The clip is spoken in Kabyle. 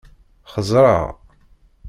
Xeẓṛeɣ.